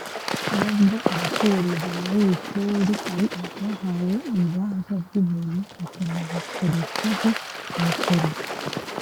n’ubwo abacururiza muri Bikingi hari bahawe ibibanza by’ubuntu bakanabakurirwaho imisoro